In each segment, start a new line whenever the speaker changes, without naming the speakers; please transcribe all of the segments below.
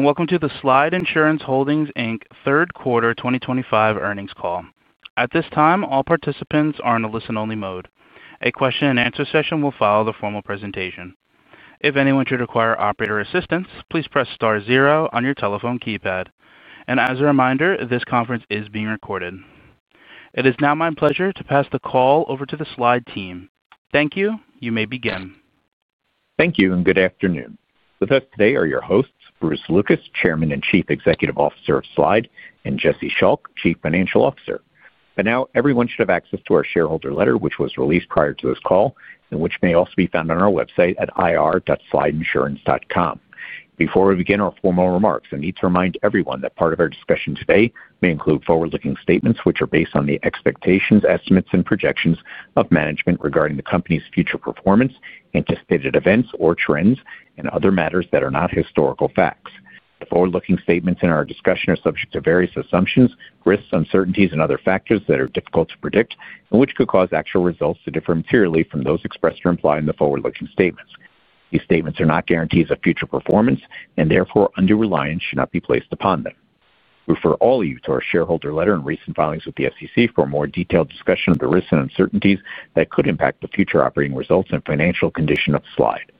Welcome to the Slide Insurance Holdings Inc Third Quarter 2025 Earnings Call. At this time, all participants are in a listen-only mode. A question-and-answer session will follow the formal presentation. If anyone should require operator assistance, please press Star Zero on your telephone keypad. As a reminder, this conference is being recorded. It is now my pleasure to pass the call over to the Slide team. Thank you. You may begin.
Thank you, and good afternoon. With us today are your hosts, Bruce Lucas, Chairman and Chief Executive Officer of Slide, and Jesse Schalk, Chief Financial Officer. By now, everyone should have access to our shareholder letter, which was released prior to this call and which may also be found on our website at ir.slideinsurance.com. Before we begin our formal remarks, I need to remind everyone that part of our discussion today may include forward-looking statements which are based on the expectations, estimates, and projections of management regarding the company's future performance, anticipated events or trends, and other matters that are not historical facts. The forward-looking statements in our discussion are subject to various assumptions, risks, uncertainties, and other factors that are difficult to predict and which could cause actual results to differ materially from those expressed or implied in the forward-looking statements. These statements are not guarantees of future performance and, therefore, undue reliance should not be placed upon them. We refer all of you to our Shareholder Letter and recent filings with the SEC for a more detailed discussion of the risks and uncertainties that could impact the future operating results and financial condition of Slide.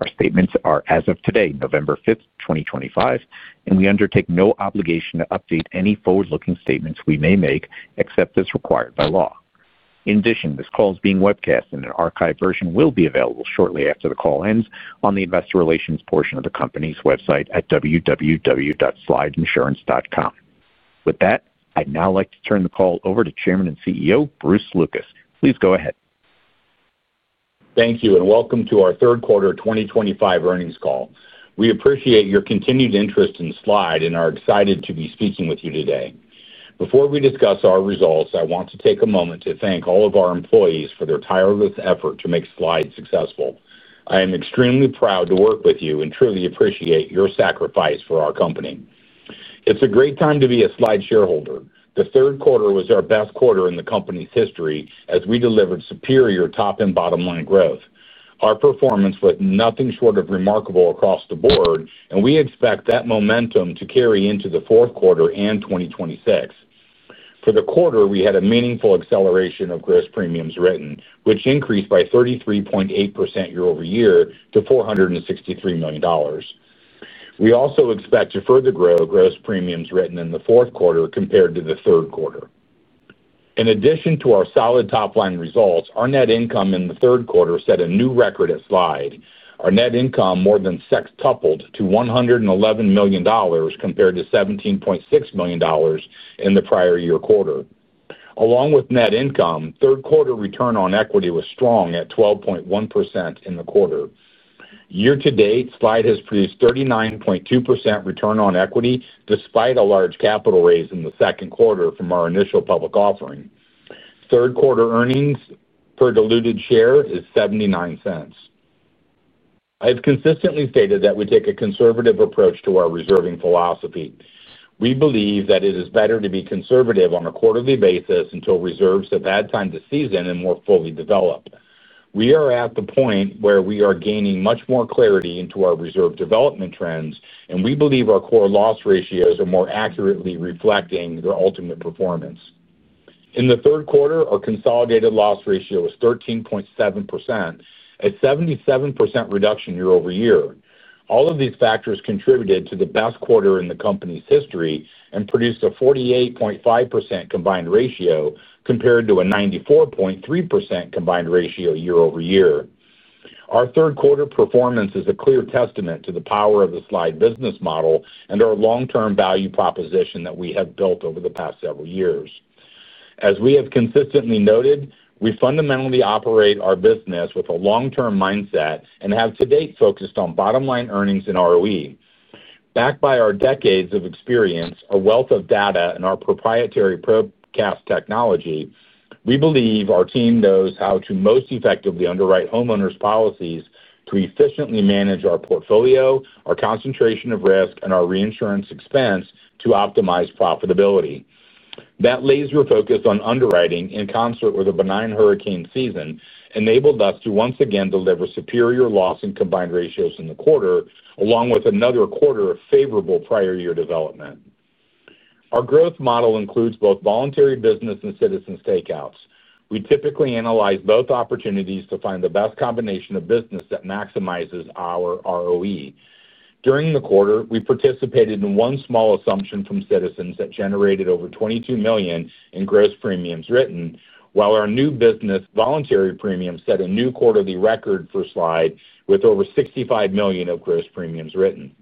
Our statements are, as of today, November 5th, 2025, and we undertake no obligation to update any forward-looking statements we may make except as required by law. In addition, this call is being webcast, and an archived version will be available shortly after the call ends on the Investor Relations portion of the company's website at www.slideinsurance.com. With that, I'd now like to turn the call over to Chairman and CEO Bruce Lucas. Please go ahead.
Thank you, and welcome to our Third Quarter 2025 Earnings Call. We appreciate your continued interest in Slide and are excited to be speaking with you today. Before we discuss our results, I want to take a moment to thank all of our employees for their tireless effort to make Slide successful. I am extremely proud to work with you and truly appreciate your sacrifice for our company. It's a great time to be a Slide shareholder. The Third Quarter was our best quarter in the company's history as we delivered superior top and bottom-line growth. Our performance was nothing short of remarkable across the board, and we expect that momentum to carry into the Fourth Quarter and 2026. For the quarter, we had a meaningful acceleration of gross premiums written, which increased by 33.8% year-over-year to $463 million. We also expect to further grow gross premiums written in the Fourth Quarter compared to the Third Quarter. In addition to our solid top-line results, our net income in the Third Quarter set a new record at Slide. Our net income more than six-fold to $111 million compared to $17.6 million in the prior-year quarter. Along with net return on equity was strong at 12.1% in the quarter. Year-to-date, Slide has return on equity despite a large capital raise in the Second Quarter from our initial public offering. Third-quarter earnings per diluted share is $0.79. I have consistently stated that we take a conservative approach to our reserving philosophy. We believe that it is better to be conservative on a quarterly basis until reserves have had time to season and more fully develop. We are at the point where we are gaining much more clarity into our reserve development trends, and we believe our core loss ratios are more accurately reflecting their ultimate performance. In the Third Quarter, our consolidated loss ratio was 13.7%, a 77% reduction year-over-year. All of these factors contributed to the best quarter in the company's history and produced a 48.5% combined ratio compared to a 94.3% combined ratio year-over-year. Our Third Quarter performance is a clear testament to the power of the Slide business model and our long-term value proposition that we have built over the past several years. As we have consistently noted, we fundamentally operate our business with a long-term mindset and have to date focused on bottom-line earnings and ROE. Backed by our decades of experience, our wealth of data, and our proprietary PROCAST technology, we believe our team knows how to most effectively underwrite homeowners' policies to efficiently manage our portfolio, our concentration of risk, and our reinsurance expense to optimize profitability. That laser focus on underwriting, in concert with a benign hurricane season, enabled us to once again deliver superior loss and combined ratios in the quarter, along with another quarter of favorable prior-year development. Our growth model includes both voluntary business and Citizens takeouts. We typically analyze both opportunities to find the best combination of business that maximizes our ROE. During the quarter, we participated in one small assumption from Citizens that generated over $22 million in gross premiums written, while our new business voluntary premium set a new quarterly record for Slide with over $65 million of gross premiums written.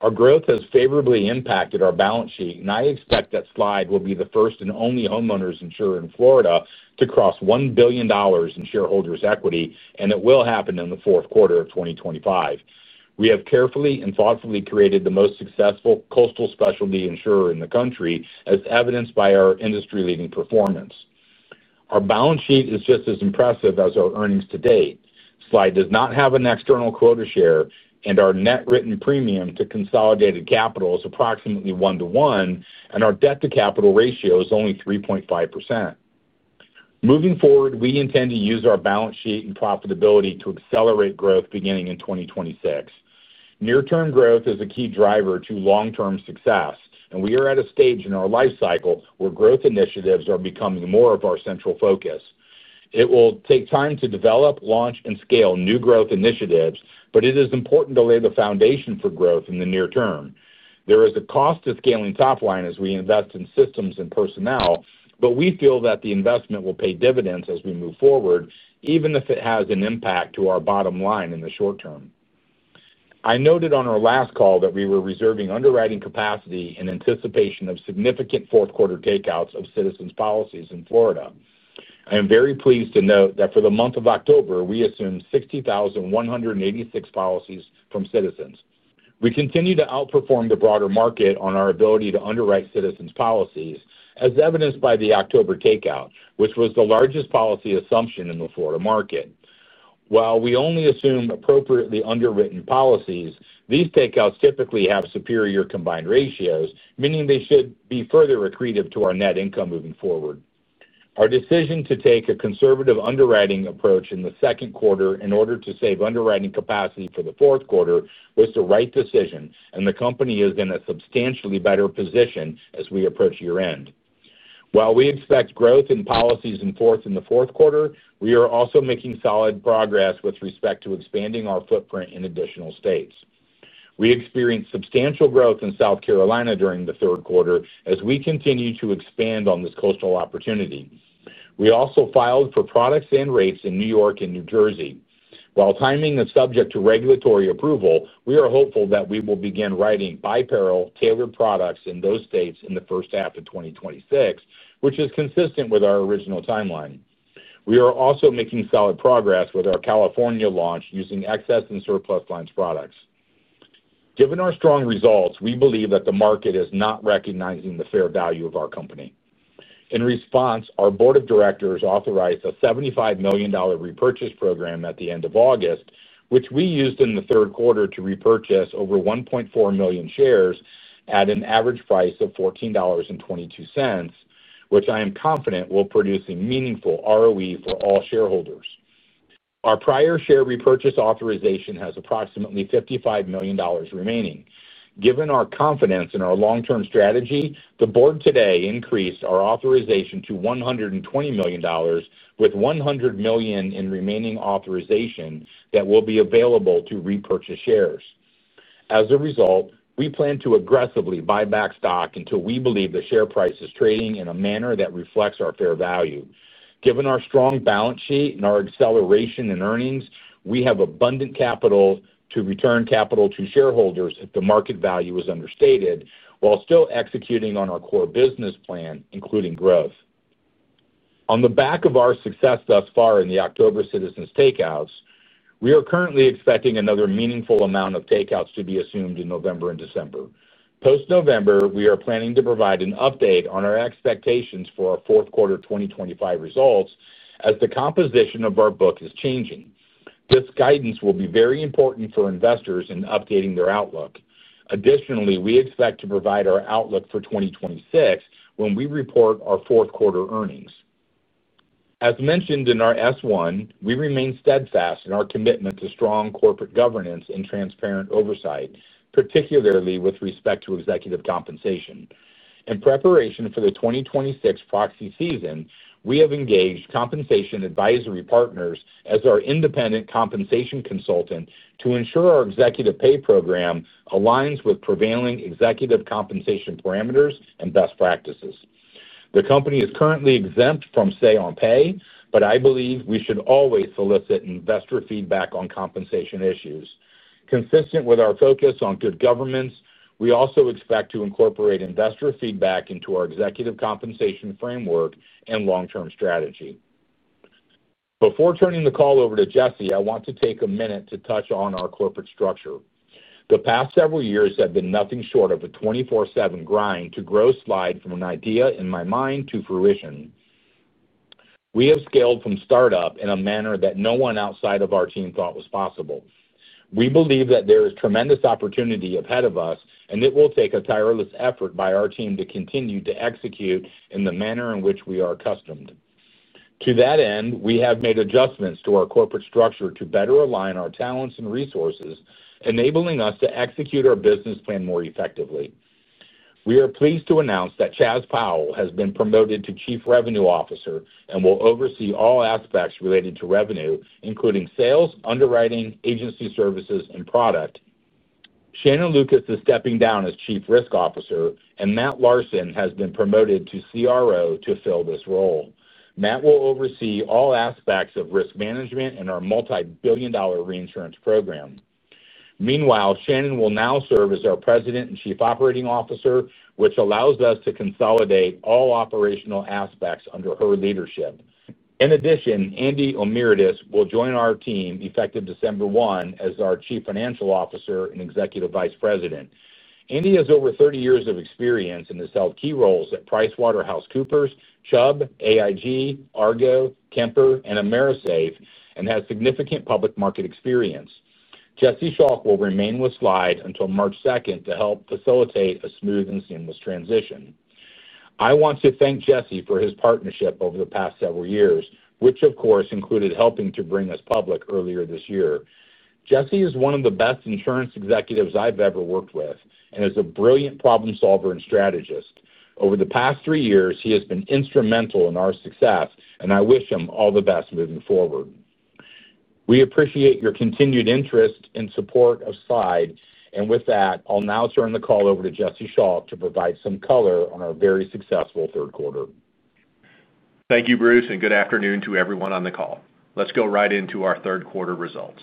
Our growth has favorably impacted our balance sheet, and I expect that Slide will be the first and only homeowners insurer in Florida to cross $1 billion in shareholders' equity, and it will happen in the Fourth Quarter of 2025. We have carefully and thoughtfully created the most successful coastal specialty insurer in the country, as evidenced by our industry-leading performance. Our balance sheet is just as impressive as our earnings to date. Slide does not have an external quota share, and our net written premium to consolidated capital is approximately one-to-one, and our debt-to-capital ratio is only 3.5%. Moving forward, we intend to use our balance sheet and profitability to accelerate growth beginning in 2026. Near-term growth is a key driver to long-term success, and we are at a stage in our life cycle where growth initiatives are becoming more of our central focus. It will take time to develop, launch, and scale new growth initiatives, but it is important to lay the foundation for growth in the near term. There is a cost to scaling top line as we invest in systems and personnel, but we feel that the investment will pay dividends as we move forward, even if it has an impact to our bottom line in the short term. I noted on our last call that we were reserving underwriting capacity in anticipation of significant fourth-quarter takeouts of Citizens' policies in Florida. I am very pleased to note that for the month of October, we assumed 60,186 policies from Citizens. We continue to outperform the broader market on our ability to underwrite Citizens' policies, as evidenced by the October takeout, which was the largest policy assumption in the Florida market. While we only assume appropriately underwritten policies, these takeouts typically have superior combined ratios, meaning they should be further accretive to our net income moving forward. Our decision to take a conservative underwriting approach in the Second Quarter in order to save underwriting capacity for the Fourth Quarter was the right decision, and the company is in a substantially better position as we approach year-end. While we expect growth in policies in the Fourth Quarter, we are also making solid progress with respect to expanding our footprint in additional states. We experienced substantial growth in South Carolina during the Third Quarter as we continue to expand on this coastal opportunity. We also filed for products and rates in New York and New Jersey. While timing is subject to regulatory approval, we are hopeful that we will begin writing by-parallel tailored products in those states in the first half of 2026, which is consistent with our original timeline. We are also making solid progress with our California launch using excess and surplus lines products. Given our strong results, we believe that the market is not recognizing the fair value of our company. In response, our board of directors authorized a $75 million repurchase program at the end of August, which we used in the Third Quarter to repurchase over 1.4 million shares at an average price of $14.22, which I am confident will produce a meaningful ROE for all shareholders. Our prior share repurchase authorization has approximately $55 million remaining. Given our confidence in our long-term strategy, the board today increased our authorization to $120 million, with $100 million in remaining authorization that will be available to repurchase shares. As a result, we plan to aggressively buy back stock until we believe the share price is trading in a manner that reflects our fair value. Given our strong balance sheet and our acceleration in earnings, we have abundant capital to return capital to shareholders if the market value is understated while still executing on our core business plan, including growth. On the back of our success thus far in the October Citizens takeouts, we are currently expecting another meaningful amount of takeouts to be assumed in November and December. Post-November, we are planning to provide an update on our expectations for our Fourth Quarter 2025 results as the composition of our book is changing. This guidance will be very important for investors in updating their outlook. Additionally, we expect to provide our outlook for 2026 when we report our Fourth Quarter earnings. As mentioned in our S-1, we remain steadfast in our commitment to strong corporate governance and transparent oversight, particularly with respect to executive compensation. In preparation for the 2026 proxy season, we have engaged Compensation Advisory Partners as our independent compensation consultant to ensure our executive pay program aligns with prevailing executive compensation parameters and best practices. The company is currently exempt from say-on-pay, but I believe we should always solicit investor feedback on compensation issues. Consistent with our focus on good governance, we also expect to incorporate investor feedback into our executive compensation framework and long-term strategy. Before turning the call over to Jesse, I want to take a minute to touch on our corporate structure. The past several years have been nothing short of a 24/7 grind to grow Slide from an idea in my mind to fruition. We have scaled from startup in a manner that no one outside of our team thought was possible. We believe that there is tremendous opportunity ahead of us, and it will take a tireless effort by our team to continue to execute in the manner in which we are accustomed. To that end, we have made adjustments to our corporate structure to better align our talents and resources, enabling us to execute our business plan more effectively. We are pleased to announce that Chas Powell has been promoted to Chief Revenue Officer and will oversee all aspects related to revenue, including sales, underwriting, agency services, and product. Shannon Lucas is stepping down as Chief Risk Officer, and Matt Larson has been promoted to CRO to fill this role. Matt will oversee all aspects of risk management and our multi-billion-dollar reinsurance program. Meanwhile, Shannon will now serve as our President and Chief Operating Officer, which allows us to consolidate all operational aspects under her leadership. In addition, Andy O'Miridis will join our team effective December 1 as our Chief Financial Officer and Executive Vice President. Andy has over 30 years of experience and has held key roles at PricewaterhouseCoopers, Chubb, AIG, Argo, Kemper, and Amerisafe, and has significant public market experience. Jesse Schalk will remain with Slide until March 2 to help facilitate a smooth and seamless transition. I want to thank Jesse for his partnership over the past several years, which, of course, included helping to bring us public earlier this year. Jesse is one of the best insurance executives I've ever worked with and is a brilliant problem solver and strategist. Over the past three years, he has been instrumental in our success, and I wish him all the best moving forward. We appreciate your continued interest and support of Slide, and with that, I'll now turn the call over to Jesse Schalk to provide some color on our very successful Third Quarter.
Thank you, Bruce, and good afternoon to everyone on the call. Let's go right into our Third Quarter results.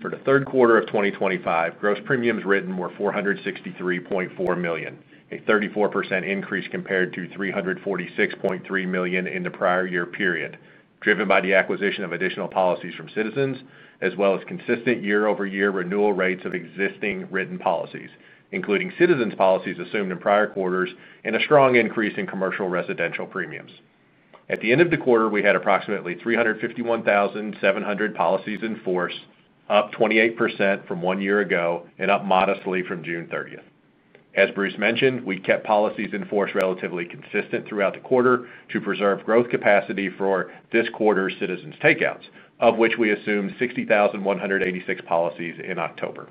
For the Third Quarter of 2025, gross premiums written were $463.4 million, a 34% increase compared to $346.3 million in the prior year period, driven by the acquisition of additional policies from Citizens, as well as consistent year-over-year renewal rates of existing written policies, including Citizens' policies assumed in prior quarters, and a strong increase in commercial residential premiums. At the end of the quarter, we had approximately 351,700 policies in force, up 28% from one year ago and up modestly from June 30th. As Bruce mentioned, we kept policies in force relatively consistent throughout the quarter to preserve growth capacity for this quarter's Citizens takeouts, of which we assumed 60,186 policies in October.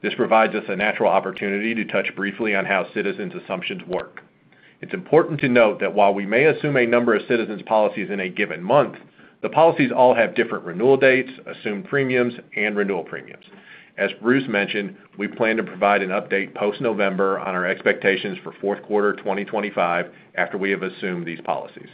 This provides us a natural opportunity to touch briefly on how Citizens assumptions work. It's important to note that while we may assume a number of Citizens policies in a given month, the policies all have different renewal dates, assumed premiums, and renewal premiums. As Bruce mentioned, we plan to provide an update post-November on our expectations for Fourth Quarter 2025 after we have assumed these policies.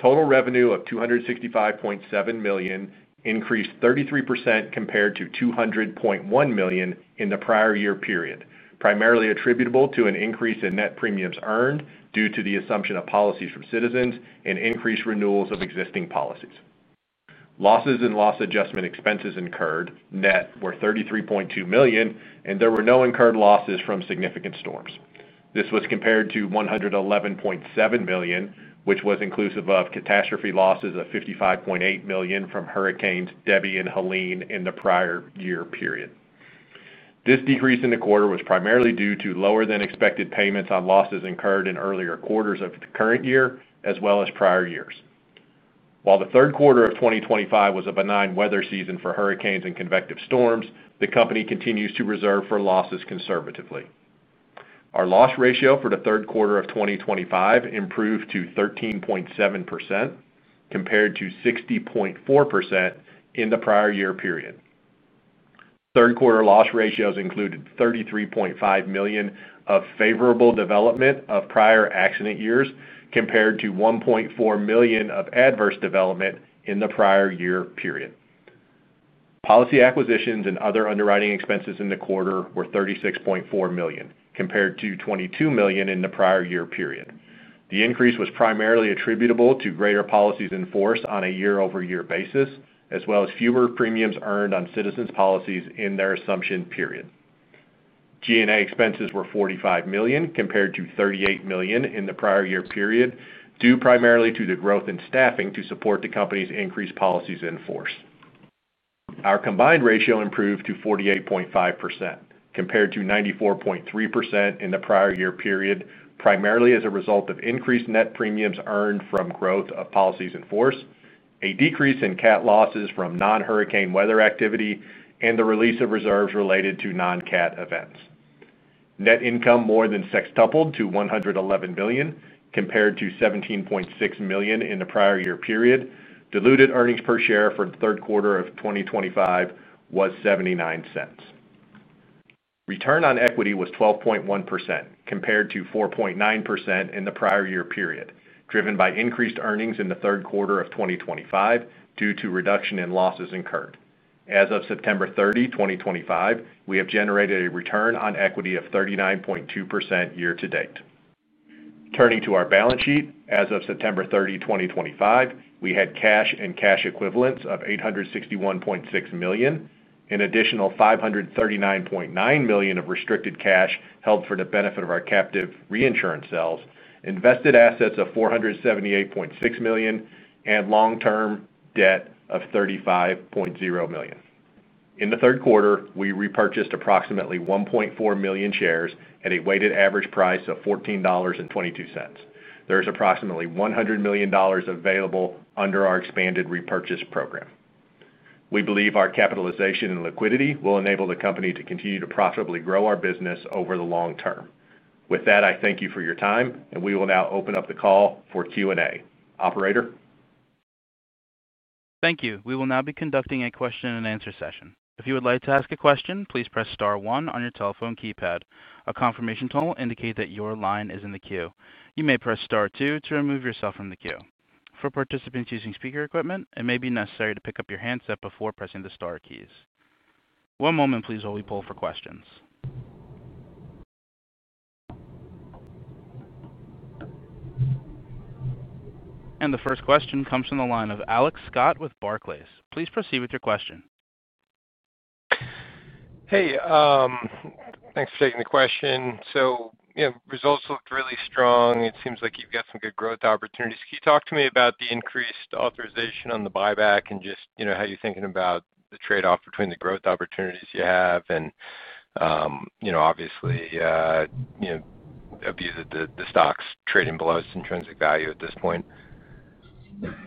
Total revenue of $265.7 million increased 33% compared to $200.1 million in the prior year period, primarily attributable to an increase in net premiums earned due to the assumption of policies from Citizens and increased renewals of existing policies. Losses and loss adjustment expenses incurred net were $33.2 million, and there were no incurred losses from significant storms. This was compared to $111.7 million, which was inclusive of catastrophe losses of $55.8 million from hurricanes Debby and Helene in the prior year period. This decrease in the quarter was primarily due to lower-than-expected payments on losses incurred in earlier quarters of the current year, as well as prior years. While the Third Quarter of 2025 was a benign weather season for hurricanes and convective storms, the company continues to reserve for losses conservatively. Our loss ratio for the Third Quarter of 2025 improved to 13.7%. Compared to 60.4% in the prior year period. Third quarter loss ratios included $33.5 million of favorable development of prior accident years compared to $1.4 million of adverse development in the prior year period. Policy acquisitions and other underwriting expenses in the quarter were $36.4 million compared to $22 million in the prior year period. The increase was primarily attributable to greater policies in force on a year-over-year basis, as well as fewer premiums earned on Citizens' policies in their assumption period. G&A expenses were $45 million compared to $38 million in the prior year period, due primarily to the growth in staffing to support the company's increased policies in force. Our combined ratio improved to 48.5% compared to 94.3% in the prior year period, primarily as a result of increased net premiums earned from growth of policies in force, a decrease in cat losses from non-hurricane weather activity, and the release of reserves related to non-cat events. Net income more than six-upped to $111 million compared to $17.6 million in the prior year period. Diluted earnings per share for the Third Quarter of 2025 was $0.79. Return on equity was 12.1% compared to 4.9% in the prior year period, driven by increased earnings in the Third Quarter of 2025 due to reduction in losses incurred. As of September 30, 2025, we have return on equity of 39.2% year to date. Turning to our balance sheet, as of September 30, 2025, we had cash and cash equivalents of $861.6 million, an additional $539.9 million of restricted cash held for the benefit of our captive reinsurance cells, invested assets of $478.6 million, and long-term debt of $35.0 million. In the Third Quarter, we repurchased approximately 1.4 million shares at a weighted average price of $14.22. There is approximately $100 million available under our expanded repurchase program. We believe our capitalization and liquidity will enable the company to continue to profitably grow our business over the long term. With that, I thank you for your time, and we will now open up the call for Q&A. Operator.
Thank you. We will now be conducting a question-and-answer session. If you would like to ask a question, please press Star One on your telephone keypad. A confirmation tone will indicate that your line is in the queue. You may press Star Two to remove yourself from the queue. For participants using speaker equipment, it may be necessary to pick up your handset before pressing the Star keys. One moment, please, while we pull for questions. The first question comes from the line of Alex Scott with Barclays. Please proceed with your question.
Hey. Thanks for taking the question. So, yeah, results look really strong. It seems like you've got some good growth opportunities. Can you talk to me about the increased authorization on the buyback and just how you're thinking about the trade-off between the growth opportunities you have and, obviously, if the stock's trading below its intrinsic value at this point?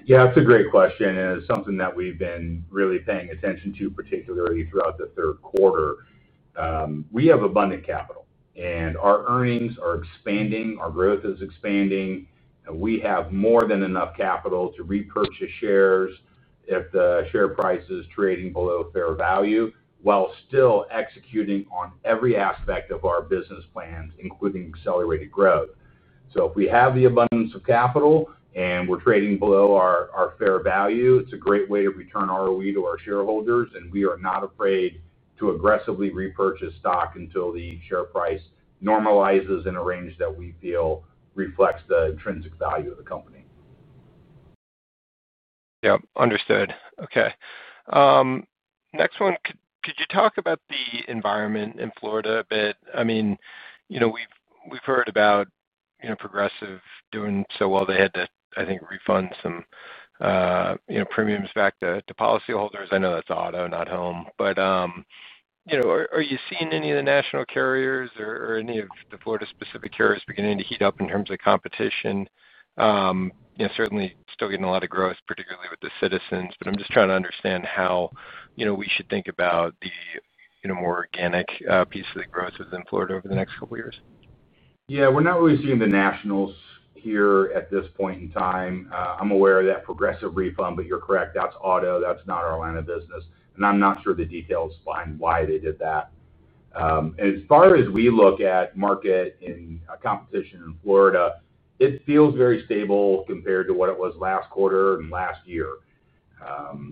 Yeah, that's a great question, and it's something that we've been really paying attention to, particularly throughout the Third Quarter. We have abundant capital, and our earnings are expanding. Our growth is expanding. We have more than enough capital to repurchase shares if the share price is trading below fair value while still executing on every aspect of our business plans, including accelerated growth. If we have the abundance of capital and we are trading below our fair value, it is a great way to return ROE to our shareholders, and we are not afraid to aggressively repurchase stock until the share price normalizes in a range that we feel reflects the intrinsic value of the company.
Yep. Understood. Okay. Next one, could you talk about the environment in Florida a bit? I mean. We have heard about Progressive doing so well. They had to, I think, refund some premiums back to policyholders. I know that is auto, not home. But. Are you seeing any of the national carriers or any of the Florida-specific carriers beginning to heat up in terms of competition? Certainly still getting a lot of growth, particularly with the Citizens, but I'm just trying to understand how we should think about the more organic piece of the growth within Florida over the next couple of years.
Yeah. We're not really seeing the nationals here at this point in time. I'm aware of that Progressive refund, but you're correct. That's auto. That's not our line of business, and I'm not sure the details behind why they did that. As far as we look at market and competition in Florida, it feels very stable compared to what it was last quarter and last year.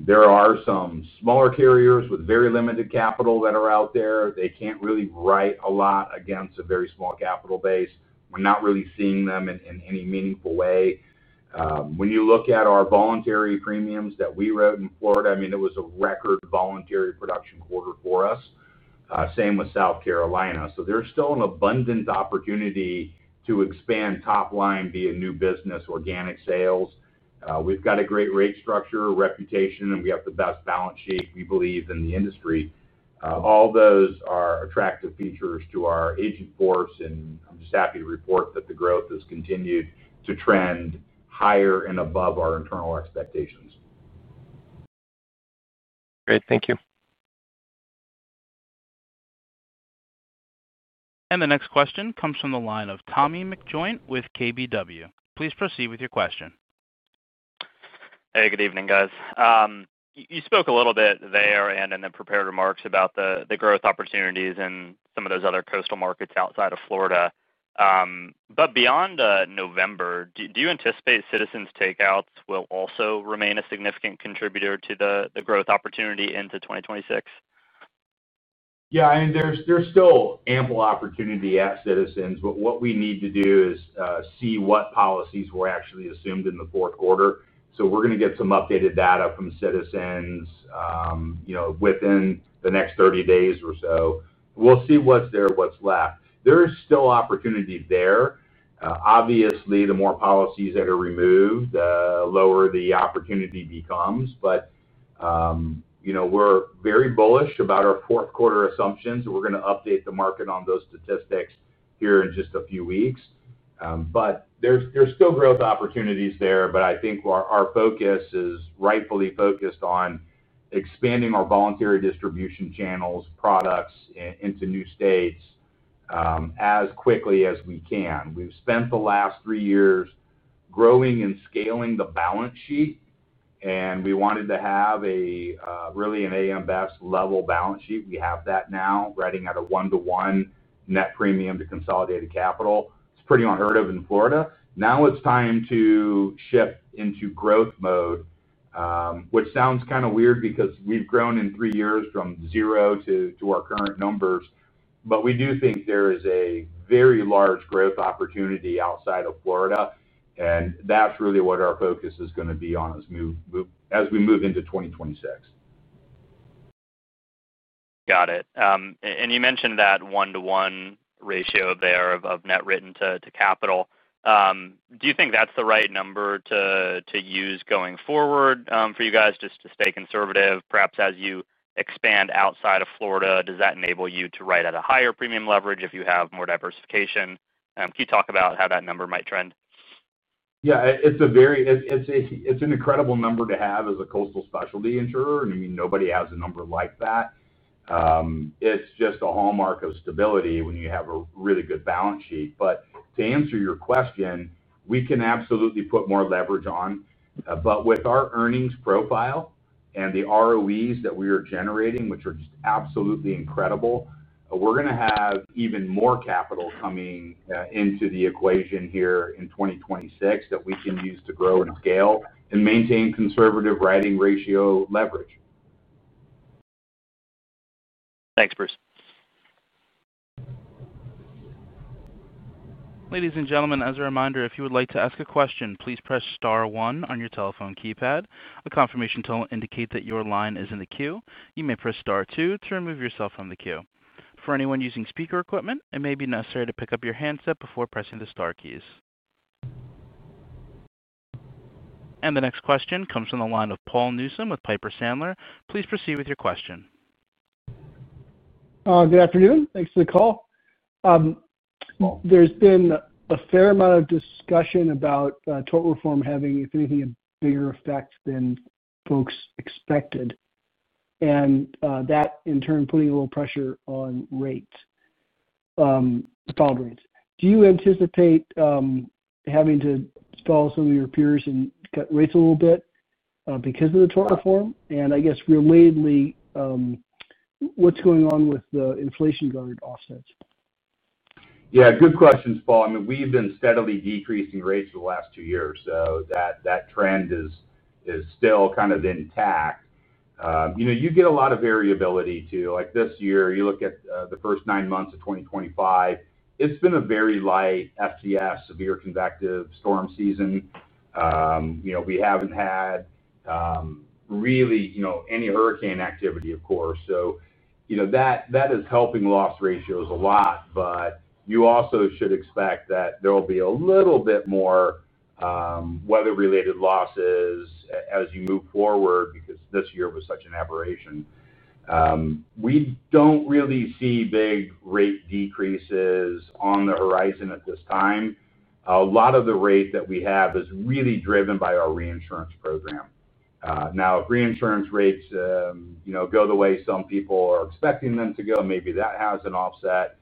There are some smaller carriers with very limited capital that are out there. They can't really write a lot against a very small capital base. We're not really seeing them in any meaningful way. When you look at our voluntary premiums that we wrote in Florida, I mean, it was a record voluntary production quarter for us. Same with South Carolina. There is still an abundant opportunity to expand top line via new business, organic sales. We've got a great rate structure, reputation, and we have the best balance sheet, we believe, in the industry. All those are attractive features to our agent force, and I'm just happy to report that the growth has continued to trend higher and above our internal expectations.
Great. Thank you.
The next question comes from the line of Tommy McJoynt with KBW. Please proceed with your question.
Hey, good evening, guys. You spoke a little bit there and in the prepared remarks about the growth opportunities in some of those other coastal markets outside of Florida. Beyond November, do you anticipate Citizens' takeouts will also remain a significant contributor to the growth opportunity into 2026?
Yeah. I mean, there's still ample opportunity at Citizens, but what we need to do is see what policies were actually assumed in the Fourth Quarter. We're going to get some updated data from Citizens within the next 30 days or so. We'll see what's there, what's left. There's still opportunity there. Obviously, the more policies that are removed, the lower the opportunity becomes. We're very bullish about our Fourth Quarter assumptions. We're going to update the market on those statistics here in just a few weeks. There's still growth opportunities there, but I think our focus is rightfully focused on expanding our voluntary distribution channels, products into new states as quickly as we can. We've spent the last three years growing and scaling the balance sheet, and we wanted to have really an AM Best level balance sheet. We have that now, writing out a one-to-one net premium to consolidated capital. It's pretty unheard of in Florida. Now it's time to shift into growth mode. Which sounds kind of weird because we've grown in three years from zero to our current numbers, but we do think there is a very large growth opportunity outside of Florida, and that's really what our focus is going to be on as we move into 2026.
Got it. And you mentioned that one-to-one ratio there of net written to capital. Do you think that's the right number to use going forward for you guys, just to stay conservative? Perhaps as you expand outside of Florida, does that enable you to write at a higher premium leverage if you have more diversification? Can you talk about how that number might trend?
Yeah. It's an incredible number to have as a coastal specialty insurer, and I mean, nobody has a number like that. It's just a hallmark of stability when you have a really good balance sheet. To answer your question, we can absolutely put more leverage on. With our earnings profile and the ROEs that we are generating, which are just absolutely incredible, we're going to have even more capital coming into the equation here in 2026 that we can use to grow and scale and maintain conservative writing ratio leverage.
Thanks, Bruce.
Ladies and gentlemen, as a reminder, if you would like to ask a question, please press Star One on your telephone keypad. A confirmation tone will indicate that your line is in the queue. You may press Star Two to remove yourself from the queue. For anyone using speaker equipment, it may be necessary to pick up your handset before pressing the Star keys. The next question comes from the line of Paul Newsome with Piper Sandler. Please proceed with your question.
Good afternoon. Thanks for the call. There has been a fair amount of discussion about tort reform having, if anything, a bigger effect than folks expected. That, in turn, putting a little pressure on rates. Stalled rates. Do you anticipate having to stall some of your peers and cut rates a little bit because of the tort reform? I guess, relatedly, what is going on with the inflation-guarded offsets?
Yeah. Good question, Paul. I mean, we've been steadily decreasing rates for the last two years, so that trend is still kind of intact. You get a lot of variability, too. This year, you look at the first nine months of 2025, it's been a very light FTS, severe convective storm season. We haven't had really any hurricane activity, of course. That is helping loss ratios a lot, but you also should expect that there will be a little bit more weather-related losses as you move forward because this year was such an aberration. We don't really see big rate decreases on the horizon at this time. A lot of the rate that we have is really driven by our reinsurance program. Now, if reinsurance rates go the way some people are expecting them to go, maybe that has an offset.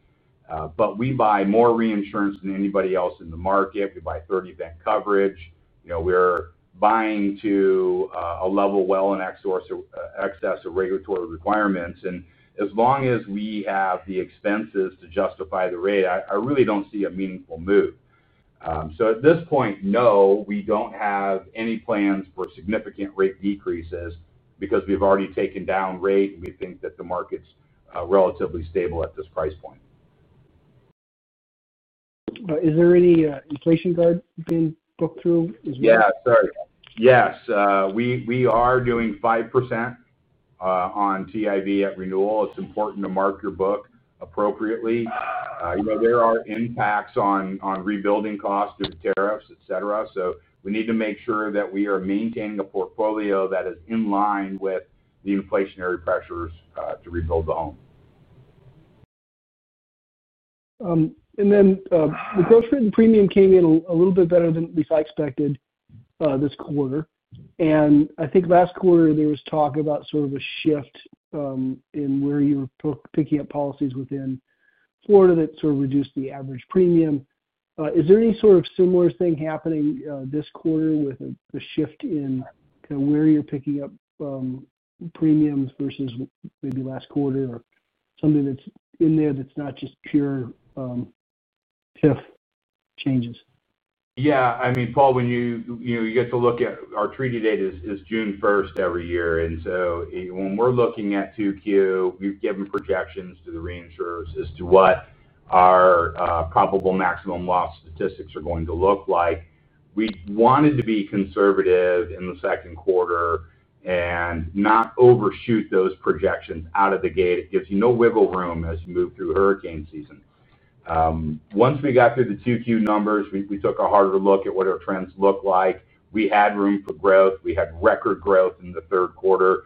We buy more reinsurance than anybody else in the market. We buy 30-band coverage. We're buying to a level well in excess of regulatory requirements. As long as we have the expenses to justify the rate, I really don't see a meaningful move. At this point, no, we don't have any plans for significant rate decreases because we've already taken down rate, and we think that the market's relatively stable at this price point.
Is there any inflation-guarded book through as well?
Yeah. Sorry. Yes. We are doing 5% on TIV at renewal. It's important to mark your book appropriately. There are impacts on rebuilding costs due to tariffs, etc. We need to make sure that we are maintaining a portfolio that is in line with the inflationary pressures to rebuild the home.
The growth rate and premium came in a little bit better than we expected this quarter. I think last quarter, there was talk about sort of a shift in where you were picking up policies within Florida that sort of reduced the average premium. Is there any sort of similar thing happening this quarter with the shift in kind of where you're picking up premiums versus maybe last quarter or something that's in there that's not just pure TIV changes?
Yeah. I mean, Paul, when you get to look at our treaty date, it is June 1 every year. And so when we're looking at Q2, we've given projections to the reinsurers as to what our probable maximum loss statistics are going to look like. We wanted to be conservative in the Second Quarter and not overshoot those projections out of the gate. It gives you no wiggle room as you move through hurricane season. Once we got through the Q2 numbers, we took a harder look at what our trends look like. We had room for growth. We had record growth in the Third Quarter.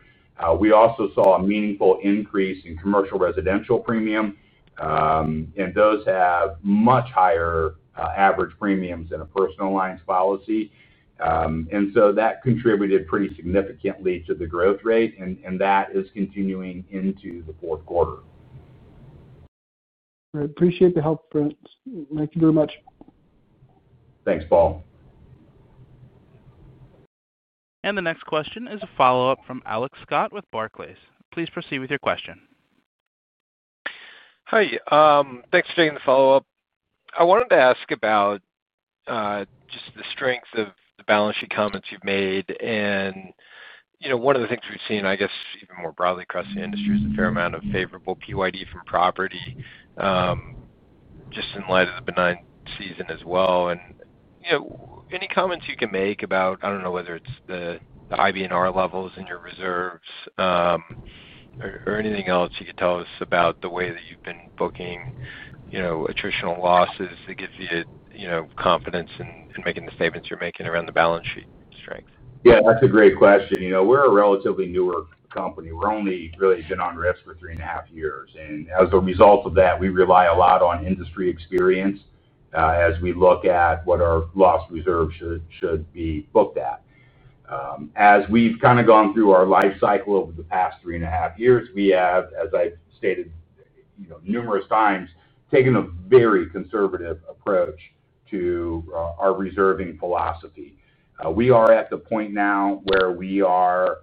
We also saw a meaningful increase in commercial residential premium. And those have much higher average premiums than a personal lines policy. And so that contributed pretty significantly to the growth rate, and that is continuing into the Fourth Quarter.
I appreciate the help, Bruce. Thank you very much.
Thanks, Paul.
The next question is a follow-up from Alex Scott with Barclays. Please proceed with your question.
Hi. Thanks for taking the follow-up. I wanted to ask about just the strength of the balance sheet comments you have made. One of the things we have seen, I guess, even more broadly across the industry is a fair amount of favorable PYD from property. Just in light of the benign season as well. Any comments you can make about, I do not know, whether it is the IBNR levels in your reserves. Or anything else you can tell us about the way that you have been booking. Attritional losses that gives you confidence in making the statements you are making around the balance sheet strength?
Yeah. That is a great question. We are a relatively newer company. We have only really been on risk for three and a half years. As a result of that, we rely a lot on industry experience as we look at what our loss reserves should be booked at. As we have kind of gone through our life cycle over the past three and a half years, we have, as I have stated, numerous times, taken a very conservative approach to our reserving philosophy. We are at the point now where we are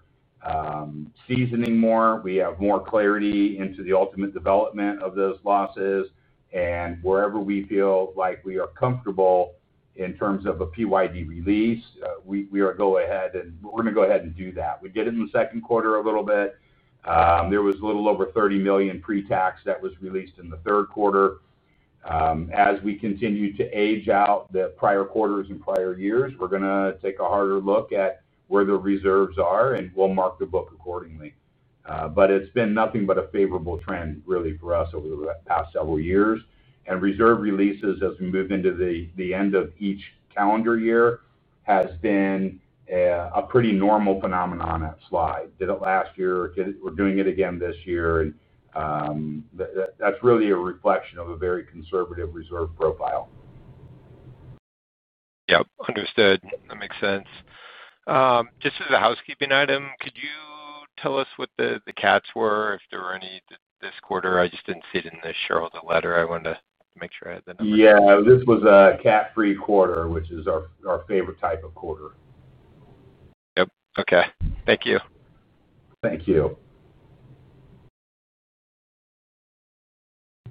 seasoning more. We have more clarity into the ultimate development of those losses. Wherever we feel like we are comfortable in terms of a PYD release, we are going to go ahead and do that. We did it in the Second Quarter a little bit. There was a little over $30 million pre-tax that was released in the Third Quarter. As we continue to age out the prior quarters and prior years, we are going to take a harder look at where the reserves are, and we will mark the book accordingly. It has been nothing but a favorable trend, really, for us over the past several years. Reserve releases, as we move into the end of each calendar year, have been a pretty normal phenomenon at Slide. Did it last year. We are doing it again this year. That's really a reflection of a very conservative reserve profile.
Yep. Understood. That makes sense. Just as a housekeeping item, could you tell us what the cats were, if there were any this quarter? I just didn't see it in the Sheryl DeLetter. I wanted to make sure I had the number.
Yeah. This was a cat-free quarter, which is our favorite type of quarter.
Yep. Okay. Thank you.
Thank you.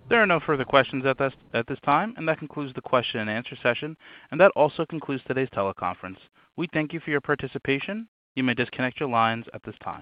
There are no further questions at this time, and that concludes the question-and-answer session. That also concludes today's teleconference. We thank you for your participation. You may disconnect your lines at this time.